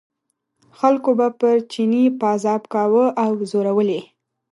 خلکو به پر چیني پازاب کاوه او ځورول یې.